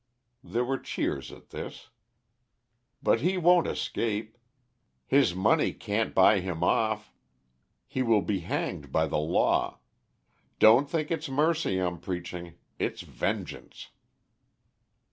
There were cheers at this. "But he won't escape. His money can't buy him off. He will be hanged by the law. Don't think it's mercy I'm preaching; it's vengeance!"